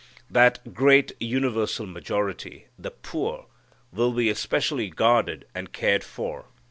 That great universal majority, the poor, will be especially guarded and cared for.